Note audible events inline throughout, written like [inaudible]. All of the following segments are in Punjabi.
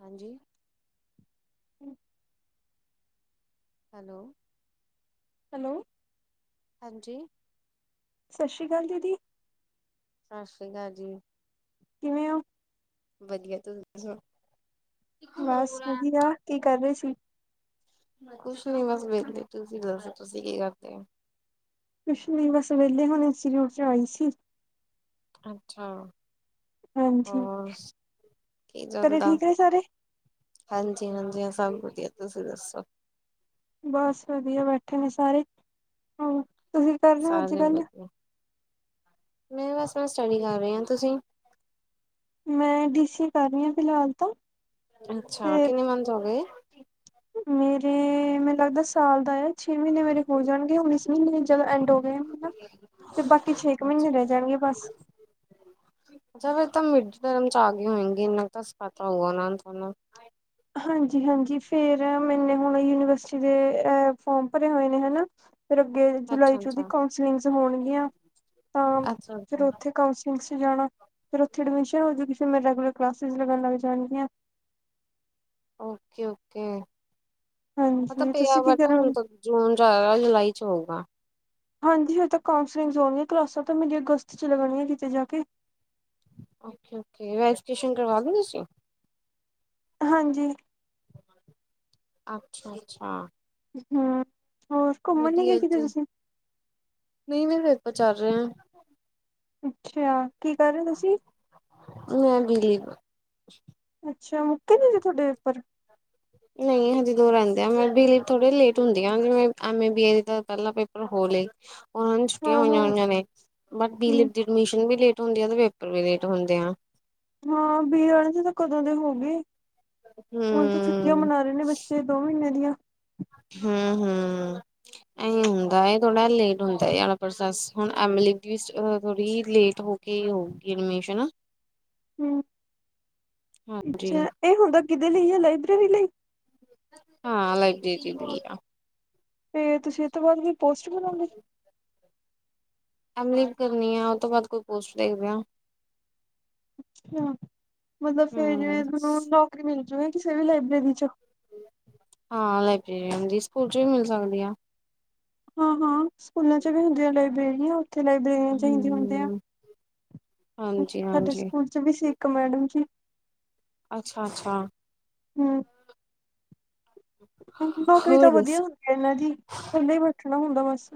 ਹਾਂਜੀ ਹੈਲੋ ਹੈਲੋ ਹਾਂਜੀ ਸਤਿ ਸ਼੍ਰੀ ਅਕਾਲ ਦੀਦੀ ਸਤਿ ਸ੍ਰੀ ਅਕਾਲ ਜੀ ਕਿਵੇਂ ਹੋ? ਵਧੀਆ ਤੁਸੀਂ ਸੁਣਾਓ। ਬਸ ਵਧੀਆ ਕੀ ਕਰ ਰਹੇ ਸੀ। ਕੁਛ ਨੀ ਬਸ ਵੇਲੇ ਤੁਸੀਂ ਦੱਸੋ ਤੁਸੀਂ ਕੀ ਕਰਦੇ ਹੋ? ਕੁਛ ਨੀ ਬਸ ਵੇਲੇ ਹੁਣ ਉਸ 'ਚ ਆਈ ਸੀ। ਅੱਛਾ ਹਾਂਜੀ ਹੋਰ ਕੀ ਘਰੇ ਚੱਲਦਾ ਠੀਕ ਨੇ ਸਾਰੇ ਹਾਂਜੀ- ਹਾਂਜੀ ਸਭ ਵਧੀਆ ਤੁਸੀਂ ਦੱਸੋ? ਬਸ ਵਧੀਆ ਬੈਠੇ ਨੇ ਸਾਰੇ ਹ ਤੁਹੀ ਕਰ ਰਹੇ ਹੋ ਅੱਜ ਸਾਰੇ ਕੱਲ ਵਧੀਆ ਮੈਂ ਬਸ ਮੈਂ ਸਟੱਡੀ ਕਰ ਰਹੀ ਹਾਂ ਤੁਸੀਂ ਮੈਂ ਡੀ ਸੀ ਕਰ ਰਹੀ ਹਾਂ ਫਿਲਹਾਲ ਤਾਂ ਅੱਛਾ ਤੇ ਕਿੰਨੇ ਮੰਥ ਹੋ ਗਏ। ਮੇਰੇ ਮੈਨੂੰ ਲੱਗਦਾ ਸਾਲ ਦਾ ਏ। ਛੇ ਮਹੀਨੇ ਮੇਰੇ ਹੋ ਜਾਣਗੇ ਹੁਣ ਵੀ ਮਹੀਨੇ ਜਦੋਂ ਐਂਡ ਹੋ ਗਏ ਹਨ। ਤੇ ਬਾਕੀ ਛੇ ਕੁ ਅੱਛਾ ਮਹੀਨੇ ਰਹਿ ਜਾਣਗੇ ਬਸ ਅੱਛਾ ਫਿਰ ਤਾਂ ਮਿਡ ਟਰਮ'ਚ ਆ ਗਈ ਹੋਏਗੀ ਇਨਾ ਪਤਾ ਹੋਊਗਾ ਨਾ ਤੁਹਾਨੂੰ ਹਾਂਜੀ -ਹਾਂਜੀ ਫਿਰ ਮੈਨੇ ਹੁਣ ਯੂਨੀਵਰਸਿਟੀ ਦੇ ਫੋਮ ਭਰੇ ਹੋਏ ਨੇ ਹਨਾ। ਫਿਰ ਅੱਗੇ ਅੱਛਾ ਜੁਲਾਈ 'ਚ ਉਹਦੀ ਅੱਛਾ ਕਾਂਸਲਿੰਗਸ ਹੋਣਗੀਆਂ। ਤਾਂ ਅੱਛਾ ਫਿਰ ਅੱਛਾ ਉੱਥੇ ਕਾਂਸਲਿੰਗ 'ਚ ਜਾਣਾ ਫਿਰ ਉੱਥੇ ਐਡਮਿਸ਼ਨ ਜ ਮੈਂ ਰੈਗੂਲਰ ਕਲਾਸ ਲਗਾਨ ਲੱਗ ਜਾਣਗੀਆਂ। ਓਕੇ- ਓਕੇ ਪਤਾ ਹਾਂਜੀ ਪਿਆ ਤੁਸੀਂ ਕੀ ਵਟ ਹੁਣ ਕਰੋਗੇ? ਤ ਜੂਨ ਜੁਲਾਈ 'ਚ ਹੋਊਗਾ। ਹਾਂਜੀ ਹੇ ਤੱਕ ਕਾਂਸਲਿੰਗਸ ਹੋਣੀਆਂ ਕਲਾਸਾਂ ਤਾਂ ਮੁਜੇ ਅਗਸਤ ਲੱਗਣੀਆਂ ਕਿਤੇ ਜਾ ਕੇ ਓਕੇ - ਓਕੇ ਵੈਰੀਏਸ਼ਨ ਕਰਵਾ ਦੋ ਤੁਸੀਂ ਹਾਂਜੀ ਅੱਛਾ- ਅੱਛਾ ਹੂ ਹੋਰ ਘੁੰਮਣ ਨਹੀਂ ਗਏ ਵਧੀਆ ਕਿਤੇ ਜੀ ਤੁਸੀਂ ਬਸ ਚੱਲ ਰਿਹਾ ਆਂ। ਅੱਛਾ ਕੀ ਕਰ ਰਹੇ ਤੁਸੀਂ [unintelligible] ਅੱਛਾ ਮੁਕਤੇ ਵੀ ਏ ਤੁਹਾਡੇ ਉਪਰ ਨਹੀਂ ਹਜੇ ਦੂਰ ਰਹਿੰਦੇ ਆ, ਮੈਂ ਵੀ ਥੋੜੇ ਲੇਟ ਹੁੰਦੀ ਆ, ਜਿਵੇਂ ਐਮ ਏ ਬੀਏ ਦਾ ਪਹਿਲਾਂ ਪੇਪਰ ਹੋਰ ਉਹਨਾਂ ਨੂੰ ਛੁੱਟੀਆਂ ਹਾਂ-ਹਾਂ ਹੋਈਆਂ ਹੋਈਆਂ ਨੇ, ਬਸ ਬੀ ਦੀ ਹੂੰ ਐਡਮਿਸ਼ਨ ਵੀ ਲੇਟ ਹੁੰਦੀ ਆ ਤੇ, ਪੇਪਰ ਵੀ ਲੇਟ ਹੁੰਦੇ ਆ ਹਾਂ ਬੀ ੲਡ ਦੇ ਤੇ ਕਦੋਂ ਦੇ ਹੋ ਗਏ। ਹੁਣ ਤੇ ਛੁੱਟੀਆਂ ਹਮ ਮਨਾ ਰਹੇ ਨੇ ਬੱਚੇ ਦੋ ਮਹੀਨੇ ਦੀਆਂ। ਹੂੰ ਹੂੰ। [inaudible] ਹੁੰਦਾ ਇਹ ਥੋੜਾ ਲੇਟ ਹੁੰਦਾ ਹੈ ਏ ਵਾਲਾ ਵਾਹਿਗੁਰੂ ਪ੍ਰੋਸੈਸ, ਹੁਣ ਐਮ ਬੀ ਲਿਸਟ ਥੋੜੀ ਲੇਟ ਹੋ ਕੇ ਹੋਊ। ਕਿ ਐਡਮਿਸ਼ਨ ਨਾ ਹੂੰ ਹਾਂਜੀ ਅੱਛਾ ਇਹ ਹੁੰਦਾ, ਕਿਦੇ ਲਈ ਹੈ ਲਾਇਬ੍ਰੇਰੀ ਲਈ। ਹਾਂ ਲਾਇਬ੍ਰੇਰੀ ਲਈ ਆ। ਤੇ ਤੁਸੀਂ ਇਹ ਤੋਂ ਬਾਅਦ ਵੀ ਪੋਸਟ ਬਣੋਗੇ। ਐਮ ਬੀ ਏ ਕਰਨੀ ਆ, ਉਹ ਤੋਂ ਬਾਅਦ ਕੋਈ ਪੋਸਟ ਦੇਖਦੇ ਆਂ। ਅੱਛਾ। ਮਤਲਬ ਫਿਰ ਜਿਵੇਂ ਤੇਨੂੰ ਨੌਕਰੀ ਮਿਲ ਜਾੳਗੀ ਕਿਸੇ ਵੀ ਲਾਇਬ੍ਰੇਰੀ ਚ। ਹਾਂ ਲਾਇਬ੍ਰੇਰੀ, ਸਕੂਲ ਚ ਵੀ ਮਿਲ ਜਾਂਦੀ ਆ। ਹਾਂ ਹਾਂ ਸਕੂਲਾਂ ਚ ਵੀ ਹੁੰਦੀਆਂ ਲਾਇਬ੍ਰੇਰੀਆਂ। ਉੱਥੇ ਲਾਇਬ੍ਰੇਰੀਆਂ ਹੁੰਦੀਆਂ ਹਮ ਹਾਂਜੀ ਸਾਡੇ ਹਾਂਜੀ ਸਕੂਲ ਚ ਵੀ ਸੀ, ਇੱਕ ਮੈਡਮ ਜੀ ਅੱਛਾ- ਅੱਛਾ। ਹੂੰ ਨੌਕਰੀ ਤਾਂ ਹੋਰ ਵਧੀਆ ਦੱਸ ਹੁੰਦੀ ਹੈ ਇਹਨਾਂ ਦੀ, ੳਂਂਝੇ ਹੀ ਬੈਠਣਾ ਹੁੰਦਾ ਬਸ।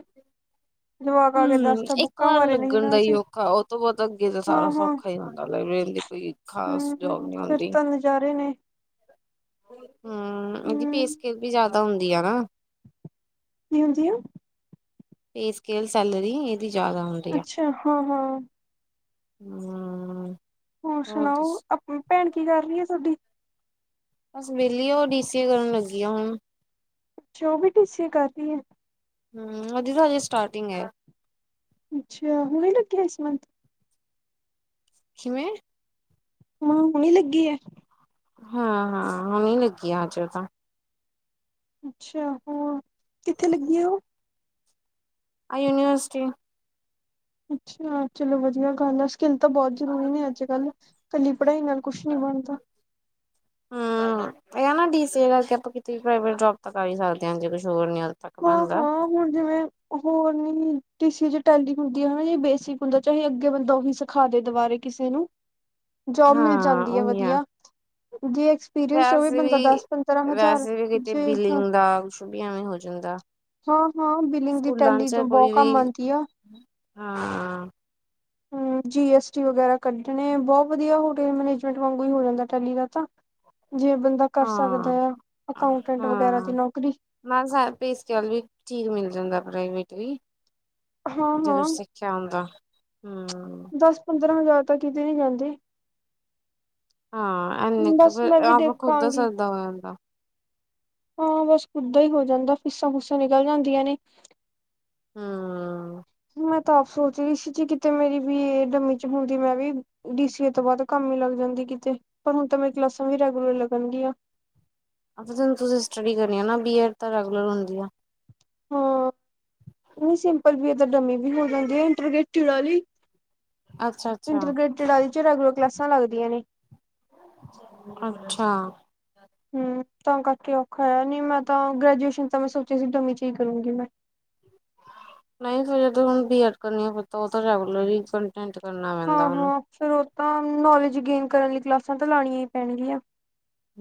ਜਵਾਕ ਆ ਕੇ ਹੂੰ ਦੱਸਤਾ ਇੱਕ ਬੁੱਕਾਂ ਵਾਰ ਬਾਰੇ ਨਹੀਂ ਲੱਗਣ ਨਾ ਦਾ ਹੀ ਅਸੀਂ ਔਖਾ, ਉਹ ਤੋਂ ਬਾਅਦ ਅੱਗੇ ਤਾਂ ਸਾਰਾ ਹਾਂ ਹਾਂ ਸੌਖਾ ਹੀ ਹੁੰਦਾ ਵੇ ਦੀ ਕੋਈ ਖਾਸ ਜਾੱਬ ਹੂੰ ਨਹੀ ਫਿਰ ਹੁੰਦੀ ਤਾਂ ਨਜ਼ਾਰੇ ਨੇ ਹੂੰ, ਇਹਦੀ ਪੇ ਹੂੰ ਸਕੈਲ ਵੀ ਜ਼ਿਆਦਾ ਹੁੰਦੀ ਆ ਨਾ। ਕੀ ਹੁੰਦੀ ਆ। Pay scale- salary. ਇਹਦੀ ਜ਼ਿਆਦਾ ਹੁੰਦੀ ਅੱਛਾ, ਹਾਂ ਹਾਂ। ਹੂੰ। ਹੋਰ ਸੁਣਾਓ। ਅਪ ਭੈਣ ਕੀ ਕਰ ਰਹੀ ਹੈ ਤੁਹਾਡੀ? ਬਸ ਵੇਹਲੀ ਏ ਉਹ, ਡੀ ਸੀ ਏ ਕਰਨ ਲੱਗੀ ਆ ਹੁਣ। ਅੱਛਾ, ਔਵੀ ਡੀ ਸੀ ਏ ਕਰਦੀ ਏ। ਹੂੰ ਉਹਦੀ ਨਾ ਹਜੇ ਸਟਾਰਟਿੰਗ ਏ। ਅੱਛਾ, ਹੁਨੇ ਲਗੀ ਆ ਏਸ ਮੰਥ। ਜਿਵੇਂ ਹਾਂ ਹੁਣੇ ਲੱਗੀ ਏ। ਹਾਂ- ਹਾਂ ਹੁਣੇ ਲੱਗੀ ਆ, ਅਜੇ ਤਾਂ ਅੱਛਾ ਹੋਰ, ਕਿੱਥੇ ਲੱਗੀ ਏ ਉਹ? ਆ ਯੂਨੀਵਰਸਿਟੀ ਅੱਛਾ ਚਲੋ ਵਧੀਆ ਗੱਲ ਆ। ਸਕਿੱਲ ਤਾਂ ਬਹੁਤ ਜ਼ਰੂਰੀ ਨੇ ਅੱਜ ਕੱਲ੍ਹ, ਇਕੱਲੀ ਪੜ੍ਹਾਈ ਨਾਲ ਕੁਛ ਨੀ ਬਨਦਾ। ਹੂੰ, ਇਹ ਨਾ ਡੀ ਸੀ ਏ ਕਰਕੇ ਆਪਾਂ ਕਿਤੇ ਪਾ੍ਇਵੇਟ ਜੋਬ ਤਾ ਕਰ ਹੀ ਸਕਦੇ ਹਾਂ, ਜੇ ਕੁਛ ਹੋਰ ਨੀ ਤੱਕ ਹਾਂ- ਬਣਦਾ ਹਾਂ ਹੁਣ ਜਿਵੇਂ ਹੋਰ ਨੀ ਟੀਸੀੇ ਟੈਲੀ ਹੁੰਦੀ ਆ ਹੈ ਨਾ, ਏ ਬੇਸਿਕ ਹੁੰਦਾ ਏ, ਚਾਹੇ ਅੱਗੇ ਬੰਦਾ ਉਹੀ ਸਿਖਾ ਦੇ ਦੁਬਾਰੇ। ਕਿਸੇ ਨੂੰ, ਜੋਬ ਮਿਲ ਹਾਂ ਜਾਂਦੀ ਹੈ ਉਹੀ ਆ ਵਧੀਆ। ਜੇ ਐਕਸਪੀਰੀਅੰਸ ਹੋਵੇ ਵੈਸੇ ਬੰਦਾ ਵੀ, ਦਸ ਪੰਦਰਾਂ ਹਜ਼ਾਰ ਵੈਸੇ ਵੀ ਕਿਤੇ ਜੇ ਹਾਂ ਬਿਲਿੰਗ ਦਾ ਈਸ਼ੂ ਵੀ ਐਵੇਂ ਹੋ ਜਾਂਦਾ। ਹਾਂ-ਹਾਂ ਬਿਲਿੰਗ ਦੀ ਸਕੂਲਾਂ ਟੈਲੀ ਚ ਤੋਂ ਕੋਈ ਬਹੁਤ ਵੀ, ਕੰਮ ਆਂਦੀ ਆ। ਹਾਂ ਹੂੰ ਜੀ ਐਸ ਟੀ ਵਗੇਰਾ ਕੱਢਣੇ, ਬਹੁਤ ਵਧੀਆ ਹੋਟਲ ਮੈਨੇਜਮੈਂਟ ਵਾਂਗ ਹੋ ਜਾਂਦਾ ਟੈਲੀ ਦਾ ਤਾਂ ਜੇ ਬੰਦਾ ਕਰ ਸਕਦਾ ਹਾਂ-ਹਾਂ-ਹਾਂ ਆ ਅਕਾਊਂਟੈਂਟ ਵਗੈਰਾ ਦੀ ਨੌਕਰੀ ਨਾਲ ਸ ਪੇਸ ਕੇਲ ਵੀ ਠੀਕ ਮਿਲ ਜਾਂਦਾ ਪ੍ਰਾਈਵੇਟ ਜਦੋਂ ਹਾਂ-ਹਾਂ ਸਿੱਖਿਆ ਹੁੰਦਾ। ਦਸ ਪੰਦਰਾਂ ਹਜ਼ਾਰ ਤ ਕਿਤੇ ਨਹੀਂ ਜਾਂਦੀ। ਹਾਂ ਐਣ ਕ ਫਿਰ ਖੁੱਦ ਦਾ ਸਰਦਾ ਦਹੋਇਦਾ। ਹਾਂ ਬਸ ਓਦਾਂ ਹੀ ਹੋ ਜਾਂਦਾ ਫੀਸਾਂ ਫੂਸਾਂ ਨਿਕਲ ਜਾਂਦੀਆਂ ਨੇ। ਹਮ। ਮੈਂ ਤਾਂ ਆਪ ਸੋਚ ਰਹੀ ਸੀ ਜੀ ਕਿਤੇ ਮੇਰੀ ਵੀ ਏ ਡਮੀ ਚ ਹੁੰਦੀ ਮੈਂ ਵੀ ਡੀ ਸੀਏ ਤੋਂ ਬਾਅਦ ਕੰਮ ਲੱਗ ਜਾਂਦੀ ਕਿਤੇ ਪਰ ਹੁਣ ਤਾਂ ਮੇਰੀ ਕਲਾਸਾਂ ਵੀ ਰੈਗੂਲਰ ਲੱਗਣਗੀਆਂ। ਤੁਸੀਂ ਸਟੱਡੀ ਕਰਨੀ ਆ ਨਾ ਬੀ ਏ ਡ ਤਾਂ ਰੈਗੂਲਰ ਹੁੰਦੀ ਆ। ਹਾਂ ਨਹੀਂ ਸਿੰਪਲ ਵੀ ਤਾਂ ਡਮੀ ਵੀ ਹੋ ਜਾਂਦੀ ਆ ਇੰਟਰਟ ਚੀ ਅੱਛਾ ਅੱਛਾ ਇੰਟਰ ਰੇਲੀ ਚ ਰੈਗੂਲਰ ਕਲਾਸਾਂ ਲੱਗਦੀਆਂ ਨੇ। ਅੱਛਾ। ਹਮ। ਤਾਂ ਕਰਕੇ ਔਖਾ ਆ ਨਹੀਂ ਮੈਂ ਤਾਂ ਗ੍ਰੈਜੂਏਸ਼ਨ ਤਾਂ ਮੈਂ ਸੋਚਿਆ ਸੀ ਡਵੀ ਚੀਜ਼ ਕਰੂੰਗੀ ਮੈਂ। ਨਹੀਂ ਸ ਹੁਣ ਬੀ ਐਡ ਕਰਨੀ ਆ ਪਤਾ ਉਹ ਤਾਂ ਰੈਗੂਲਰ ਹੀ। ਕੰਟੈਂਟ ਕਰਨਾ ਪੈਂਦਾ ਹਾਂ ਉਹਨੂੰ ਹਾਂ ਫਿਰ ਉਹ ਤਾਂ ਨੌਲੇਜ ਗੇਨ ਕਰਨ ਲਈ ਕਲਾਸਾਂ ਤਾਂ ਲਾਣੀਆਂ ਹੀ ਪੈਣਗੀਆਂ।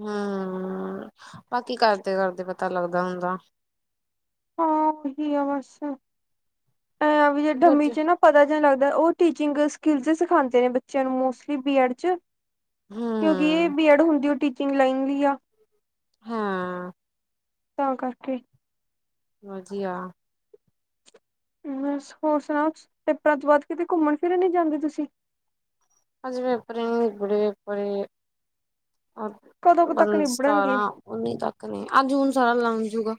ਹਮ ਬਾਕੀ ਕਰਦੇ ਕਰਦੇ ਪਤਾ ਲੱਗਦਾ ਹੁੰਦਾ। ਹਾਂ ਉਹੀ ਆ ਬਸ ਐ ਵੀ ਜੇ ਡਮੀ ਕਿਉਂਕਿ ਚ ਨਾ ਪਤਾ ਜ ਨਹੀਂ ਲੱਗਦਾ ਉਹ ਟੀਚਿੰਗ ਸਕਿਲ ਸਿਖਾਉਦੇ ਨੇ ਬੱਚਿਆਂ ਨੂੰ ਮੋਸਟਲੀ ਬੀਐਡ ਚ ਕਿਉਂਕਿ ਇਹ ਹਮ ਬੀਐਡ ਹੁੰਦੀ ਹੋ ਟੀਚਿੰਗ ਲਾਈਨ ਲਈ ਆ ਹਾਂ ਤਾਂ ਕਰਕੇ ਮਜੀ ਆ ਬਸ ਹੋਰ ਸੁਣਾ ਤੇਪਤ ਵੱਧ ਕਿਤੇ ਘੁੰਮਣ ਫਿਰਨ ਨੀ ਜਾਂਦੇ ਤੁਸੀਂ ਅਜ ਵਪਰੇ ਬੜ ਵਪਰੇ ਕਦੋਂ ਕੁ ਤੱਕ [unintelligible] ਨਿਬੜਨਗੇ ਸਤਾਰਾਂ ਉੱਨੀ ਤੱਕ ਨੇ ਅਹਜ ਹੁਣ ਸਾਰਾ ਲ ਜੂਗਾ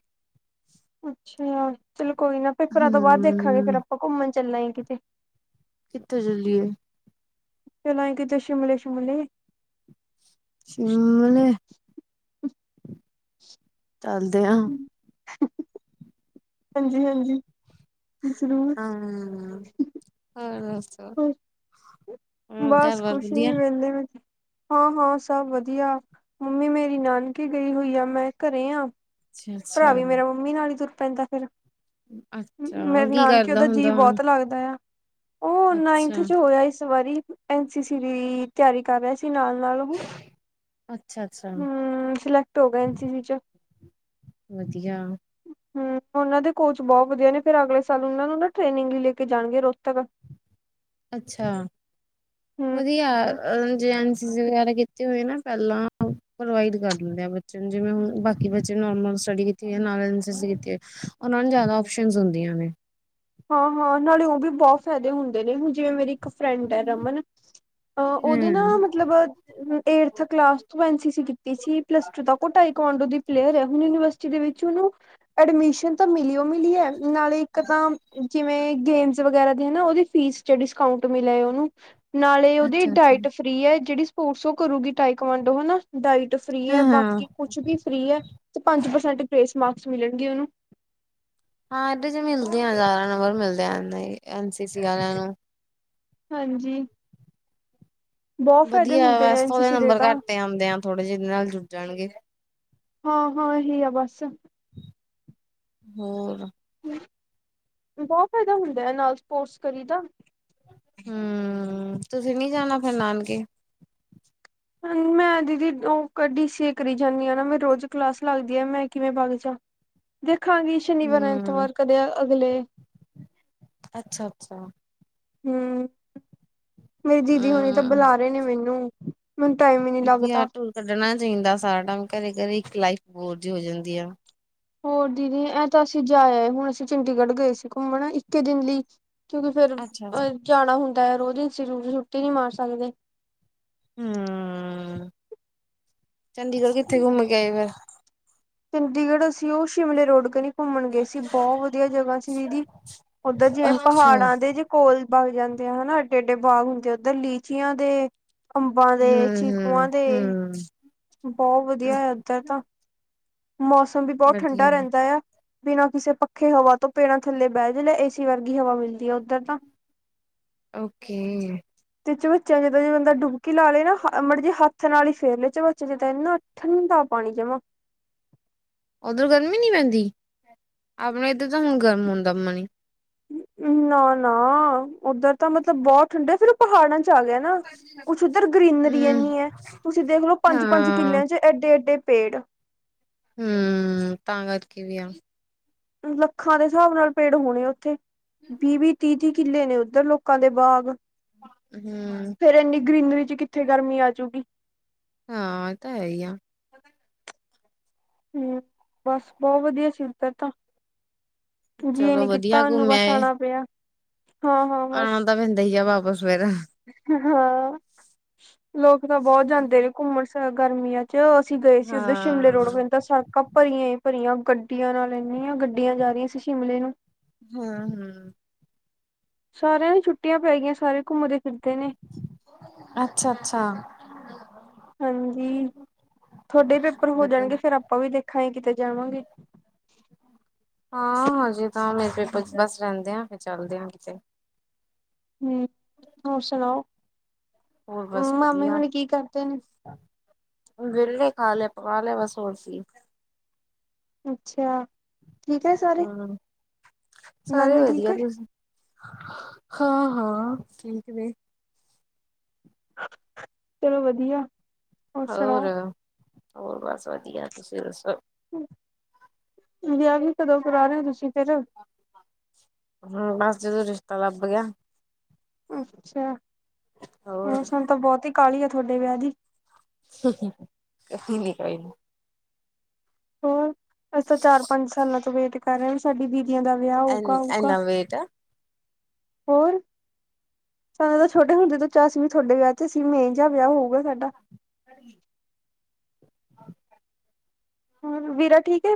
ਅੱਛਾ ਚਲੋ ਕੋਈ ਨਾ ਪੇਪਰਾਂ ਤੋਂ ਬਾਅਦ ਦੇਖਾਂਗੇ ਹਮ ਫੇਰ ਆਪਾਂ ਘੁੰਮਣ ਚੱਲਾਂਗੇ ਕਿਤੇ ਕਿੱਥੇ ਚੱਲਏ ਚਲਏ ਕਿਤੇ ਸ਼ਿਮਲੇ ਸ਼ਿਮਲੇ ਸ਼ਿਮਲੇ ਚੱਲਦੇ ਆ ਹਾਂਜੀ ਹਾਂਜੀ ਜ਼ਰੂਰ ਹਾਂ ਹੋ ਬਸ ਘਰ ਬਾਰ ਕੁਛ ਨੀ ਵਧੀਆ ਮਹਿੰਦੇ ਮ ਹਾਂ ਹਾਂ ਸਭ ਵਧੀਆ ਮੰਮੀ ਮੇਰੀ ਨਾਨਕੇ ਗਈ ਹੋਈ ਆ ਮੈਂ ਘਰੇ ਆ ਭਰਾ ਵੀ ਮੇਰਾ ਅੱਛਾ-ਅੱਛਾ-ਅੱਛਾ ਮੰਮੀ ਨਾਲ ਹੀ ਤੁਰ ਪੈਂਦਾ ਫਿਰ ਉਹ ਮੇਰੇ ਕੀ ਨਾਨਕੇ ਕਰਦਾ ਉਹਦਾ ਜੀਅ ਹੁੰਦਾ ਹੁਣ ਬਹੁਤ ਲੱਗਦਾ ਆ ਉਹ ਨਾਈਥ ਅੱਛਾ ਚ ਹੋਇਆ ਇਸ ਵਾਰੀ ਐਨਸੀ ਸੀ ਦੀ ਤਿਆਰੀ ਕਰ ਰਿਹਾ ਸੀ ਨਾਲ ਨਾਲ ਉਹ ਅੱਛਾ-ਅੱਛਾ ਹਮ ਸਿਲੈਕਟ ਹੋ ਗਿਆ ਐਨਸੀ ਸੀ ਚ ਵਧੀਆ ਹਮ ਉਹਨਾਂ ਦੇ ਕੋਚ ਬਹੁਤ ਵਧੀਆ ਨੇ ਫਿਰ ਅਗਲੇ ਸਾਲ ਉਹਨਾਂ ਨੂੰ ਨਾ ਟ੍ਰੇਨਿੰਗ ਵੀ ਲੈ ਕੇ ਜਾਣਗੇ ਰੋਤਕ ਅੱਛਾ ਹੂੰ। ਵਧੀਆ ਵਗੈਰਾ ਕੀਤੇ ਹੋਏ ਨਾ ਪਹਿਲਾਂ ਪ੍ਰੋਵਾਈਡ ਕਰ ਲੈਂਦੇ ਆ ਬੱਚੇ ਨੂੰ ਜਿਵੇਂ ਹੁਣ ਬਾਕੀ ਬੱਚੇ ਨੋਰਮਲ ਸਟੱ ਕੀਤੀ ਹੈ ਕੀਤੀ ਉਹਨਾਂ ਨੂੰ ਜਿਆਦਾ ਸ਼ਨ ਹੁੰਦੀਆਂ ਨੇ ਹਾਂ ਹਾਂ ਨਾਲੇ ਉਹ ਵੀ ਬਹੁਤ ਫਾਇਦੇ ਹੁੰਦੇ ਨੇ ਹੁਣ ਜਿਵੇਂ ਮੇਰੀ ਇੱਕ ਫਰੈਂਡ ਹੈ ਰਮਨ ਉਹਦੇ ਨਾ ਹੂੰ ਮਤਲਬ ਏਥ ਕਲਾਸ ਤੋਂ ਐਨਸੀ ਸੀ ਕੀਤੀ ਸੀ ਪਲਸ ਟੂ ਤ ਕੋ ਟ ਪਾਂਡੋ ਦੀ ਪਲੇਅਰ ਹੈ ਜਿਹਦੇ ਵਿੱਚ ਉਹਨੂੰ ਐਡਮਿਸ਼ਨ ਤਾਂ ਮਿਲੀਓ ਮਿਲੀ ਹੈ ਨਾਲੇ ਇੱਕ ਤਾਂ ਕਿਿਵੇਂ ਗੇਮਜ਼ ਵਗੈਰਾ ਦੇ ਨਾ ਉਹਦੇ ਫੀਸ ਚ ਡਿਸਕਾਊਂਟ ਮਿਲਿਆ ਉਹਨੂੰ ਨਾਲੇ ਉਹਦੀ ਅੱਛਾ-ਅੱਛਾ ਡਾਇਟ ਫ੍ਰਰੀ ਹੈ ਜਿਹੜੀ ਸਪੋਰਟਸ ਉਹ ਕਰੂਗੀ ਟਾਈ ਕਮਾਂਡੋ ਹਨਾ ਡਾਇਟ ਫ੍ਰਰੀ ਹੈ ਹਾਂ-ਹਾਂ ਹਾਂ ਹਾਂ ਬਾਕੀ ਕੁਛ ਵੀ ਫ੍ਰੀ ਹੈ ਤੇ ਪੰਜ ਪਰਸੈਂਟ ਪ੍ਰੇਸ ਮਾਰਕਸ ਮਿਲਣਗੇ ਉਹਨੂੰ ਹਾਂ ਇਹਦੇ ਚ ਮਿਲਦੀਆਂ ਜ਼ਿਆਦਾ ਨੰਬਰ ਮਿਲਦੇਨਾ ਐਨਸੀ ਸੀ ਵਾਲਿਆਂ ਨੂੰ ਹਾਂਜੀ ਬਹੁਤ ਫਾਇਦੇ ਵਧੀਆ ਹੁੰਦੇ ਨੇ ਬਸ ਐਨ ਤਾਂ ਸੀ ਉਹਦੇ ਸੀ ਦੇ ਨੰਬਰ ਤਾਂ ਘੱਟ ਆਉਂਦੇ ਆ ਥੋੜੇ ਜਿਹੇ ਇਹਦੇ ਨਾਲ ਜੁੜ ਜਾਣਗੇ ਹਾਂ ਹਾਂ ਇਹ ਹੀ ਆ ਬੱਸ ਹੋਰ ਬਹੁਤ ਫਾਇਦਾ ਹੁੰਦਾ ਹੈ ਨਾਲ ਸਪੋਰਟਸ ਕਰੀ ਦਾ ਹਮ ਤੁਸੀਂ ਨੀ ਜਾਣਾ ਫਿਰ ਨਾਨਕੇ ਮੈਂ ਦੀਦੀ ਉਹ ਡੀ ਸੀ ਏ ਕਰੀ ਜਾਂਦੀ ਹ ਨਾ ਮੇ ਰੋਜ਼ ਕਲਾਸ ਲੱਗਦੀ ਹੈ ਮੈਂ ਕਿਵੇਂ ਬਾਗ ਜਾਾ ਦੇਖ ਖਾਂਗੀ ਸ਼ਨੀਵਾਰ ਹੂੰ। ਐਤਵਾਰ ਕਦੇ ਅਗਲੇ ਅੱਛਾ-ਅੱਛਾ। ਹਮ ਮੇਰੀ ਦੀਦੀ ਹੁਣੀ ਤਾਂ ਹੂੰ, ਬੁਲਾ ਰਹੇ ਨੇ ਮੈਨੂੰ ਮੈਨੂੰ ਟਾਈਮ ਹੀ ਨਹੀਂੀ ਵਧੀਆ ਲੱਗਦਾ ਟੂਰ ਕੱਢਣਾ ਚਾਹੀਦਾ ਸਾਰਾ ਟਮ ਘਰੇ ਘਰੇ ਇੱਕ ਲਾਈਫ ਬੋਰ ਦੀ ਹੋ ਜਾਂਦੀ ਆ ਹੋਰ ਦੀਦੀ ਇਹ ਤਾਂ ਅਸੀਂ ਜਾਇਆ ਹੈ ਹੁਣ ਅਸੀਂ ਚੰਡੀਗੜ੍ਹ ਗਏ ਸੀ। ਘੁੰਮਣ ਇੱਕੇ ਦਿਨ ਲਈ ਕਿਉਂਕਿ ਫੇਰ ਅੱਛਾ-ਅੱਛਾ। ਜਾਣਾ ਹੁੰਦਾ ਹੈ। ਰੋਜ਼ ਇੰਸਟਿਊਟ ਛੁੱਟੀ ਨਹੀਂ ਮਾਰ ਸਕਦੇ। ਹਮ। ਚੰਡੀਗੜ੍ਹ ਕਿੱਥੇ ਘੁੰਮ ਗਏ ਫੇਰ ਚੰਡੀਗੜ੍ਹ ਅਸੀਂ ਉਹ ਸ਼ਿਮਲੇ ਰੋਡ ਕੇ ਨ ਘੁੰਮਣ ਗਏ ਸੀ। ਬਹੁਤ ਵਧੀਆ ਜਗ੍ਹਾ ਸੀ। ਦੀਦੀ ਉੱਧਰ ਜਿਵੇਂ ਅੱਛਾ। ਪਹਾੜਾਂ ਦੇ ਜੇ ਕੋਲ ਬਾਗ ਜਾਂਦੇ ਆ ਹਨਾ ।ਐਡੇ- ਐਏਡੇ ਬਾਗ ਹੁੰਦੇ ਆ, ਉੱਧਰ ਲੀਚੀਆਂ ਦੇ ਅੰਬਾਂ ਦੇ ਚੀਕੂਆਂ ਦੇ ਹੂੰ-ਹੂੰ-ਹੂੰ, ਬਹੁਤ ਵਧੀਆ ਹੈ। ਏਧਰ ਤਾਂ ਮੌਸਮ ਵੀ ਬਹੁਤ ਠੰਡਾ ਵਧੀਆ ਰਹਿੰਦਾ ਆ। ਬਿਨਾਂ ਕਿਸੇ ਪੱਖੇ ਹਵਾ ਤੋਂ ਪੈਣਾ ਥੱਲੇ ਬਹਿ ਜਾਂਦੇ। ਏ ਸੀ ਵਰਗੀ ਹਵਾ ਮਿਲਦੀ ਹੈ। ਉੱਧਰ ਤਾਂ ਓਕੇ। ਤੇ ਚਬਚਾ [unintelligible] ਜਿੱਦਾਂ ਜੇ ਬੰਦਾ ਡੁੱਬਕੀ ਲਾ ਲਏ ਨਾ ਮਰ ਜੇ ਹੱਥ ਸਨਾਲੀ ਫੇਰ ਲੇ ਚ ਬੱਚੇ ਜ ਤਾਂ ਇਨਾ ਠੰਡਾ ਨ ਦਾ ਪਾਣੀ ਜਮਾ। ਓਧਰ ਗਰਮੀ ਨੀ ਪੈਂਦੀ ।ਆਪਣੇ ਇੱਧਰ ਤਾਂ ਹੁਣ ਗਰਮ ਹੁੰਦਾ ਪਾਣੀ। ਨਾ- ਨਾ ਉੱਧਰ ਤਾਂ ਮਤਲਬ ਬਹੁਤ ਠੰਡੇ ਫੇਰ ਉਹ ਪਹਾੜਾਂ ਚ ਆ ਗਿਆ। ਨਾ ਕੁੱਛ ਉੱਧਰ ਗਰੀਨਰੀ ਹੂੰ, ਨੀ ਹੈ ।ਤੁਸੀਂ ਦੇਖਲੋ, ਪੰਜ- ਪੰਜ ਹਾਂ। ਕਿੱਲਿਆਂ ਚ ਏਡੇ- ਐਏਡੇ ਪੇੜ ਹਮ। ਤਾਂ ਕਰਕੇ ਵੀ ਆ ਲੱਖਾਂ ਦੇ ਹਿਸਾਬ ਨਾਲ ਪੇੜ ਹੋਣੇ ਉੱਥੇ, ਵੀਹ- ਵੀਹ, ਤੀਹ ਦੀ ਕਿੱਲੇ ਨੇ ਉੱਧਰ ਲੋਕਾਂ ਦੇ ਬਾਗ ਫੇਰ ਇੰਨੀ ਗਰੀਨਰੀ ਚ ਕਿੱਥੇ ਗਰਮੀ ਆ ਜੂਗੀ। ਹਾਂ ।ਤਾਂ ਹੈ ਹੀ ਆ। ਹਮ। ਬਸ ਬਹੁਤ ਵਧੀਆ ਸੀ। ਤਾਂ ਜੀ ਚਲੋ ਨੀ ਵਧੀਆ ਕੀਤਾ ਉਹਨੂੰ ਘੁੰਮਿਆ ਬਸ ਆਣਾ ਪਿਆ ਹਾਂ-ਹਾਂ ਆਣਾ ਬਸ ਤਾਂ ਪੈਂਦਾ ਹੀ ਆ ਵਾਬ ਉਹ ਸਵੇਰੇ ਹਾਂ। ਲੋਕ ਤਾਂ ਬਹੁਤ ਜਾਂਦੇ ਨੇ ਘੁੰਮਣ ਗਰਮੀਆਂ ਚ ਚ ਅਸੀਂ ਗਏ ਸੀ। ਉੱਧਰ ਸ਼ਿਮਲੇ ਹਾਂ। ਰੋਡ ਪਦਾ ਸੜਕਾਂ ਭਰੀਆਂ- ਭਰੀਆਂ ਗੱਡੀਆਂ ਨਾਲ ਲੈਂਦੀ ਹਾਂ ਗੱਡੀਆਂ ਜਾ ਰਹੀਆਂ ਸੀ। ਸ਼ਿਮਲੇ ਨੂੰ ਹਮ- ਹਮ। ਸਾਰਿਆਂ ਨੂੰ ਛੁੱਟੀਆਂ ਪੈ ਗਈਆਂ। ਸਾਰੇ ਘੁੰਮਦੇ ਫਿਰਦੇ ਨੇ ਹਾਂ। ਹਾਂਜੀ। ਤੁਹਾਡੇ ਪੇਪਰ ਹੋ ਵਧੀਆ ਜਾਣਗੇ ਫੇਰ ਆਪਾਂ ਵੀ ਦੇਖਾਂਗੇ ਕਿਤੇ ਜਾਵਾਂਗੇ। ਹਾਂ। ਹਾਂਜੀ ਤਾਂ ਮੇਰੇ ਪ ਬਸ ਰਹਿੰਦੇ ਆ ਫ ਚੱਲਦੇ ਹ ਕਿਤੇ ਹਮ। ਹੋਰ ਸੁਣਾਓ, ਹੋਰ ਮਾਮੇ ਹੁਣੇ ਕੀ ਕਰਦੇ ਨੇ। ਗਿਰਲੇ ਖਾ ਲੈ ਪਕਾ ਲੈ ਬਸੋਰ ਸੀ। ਅੱਛਾ। ਠੀਕ ਹੈ ਸਾਰੇ ਹੂੰ। ਸਾਰੇ ਨਾਨੀ ਠੀਕ ਵਧੀਆ ਹੈ ਤੁਸੀ, ਹਾਂ- ਹਾਂ ਠੀਕ ਨੇ। ਚਲੋ ਵਧੀਆ। ਹੋਰ, ਹੋਰ ਬਸ ਵਧੀਆ ਤੁਸੀਂ ਦੱਸੋ? ਵਧਿਆ। ਕਦੋਂ ਕਰਾ ਰਹੇ ਹੋ ਤੁਸੀਂ ਫਿਰ ਤਾ ਲੱਭ ਗਿਆ। ਅੱਛਾ। ਹੋਰ ਹ ਹੁਣ ਤਾਂ ਬਹੁਤ ਹੀ ਕਾਹਲੀ ਆ ਤੁਹਾਡੇ ਵਿਆਹ ਦੀ ਕ ਨੀ ਕਈ ਹੋਰ ਅਸੀਂ ਤਾਂ ਚਾਰ- ਪੰਜ ਸਾਲਾਂ ਤੋਂ ਵੇਟ ਕਰ ਰਹੇ। ਹ ਸਾਡੀ ਬਬੀ ਧੀਆਂ ਦਾ ਵਿਆਹ ਐ ਕਾ ਕਾ ਇੰਨਾ ਵੇਟ ਹੋਰ ਸਾਨੂੰ ਤਾਂ ਛੋਟੇ ਹੁੰਦੇ ਤੋਂ ਚਾਅ ਵੀ ਤੁਹਾਡੇ ਵਿਆਹ ਚ ਸੀ। ਮੇ ਜਹਾ ਵਿਆਹ ਹੋਊਗਾ ਸਾਡਾ [inaudible] ਹੋਰ, ਵੀਰਾ ਠੀਕ ਹੈ।